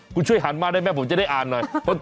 คุณช่วยหันมาได้ไหมผมจะได้อ่านหน่อย